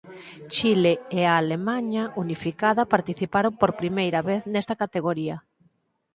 Chile e a Alemaña unificada participaron por vez primeira nesta categoría.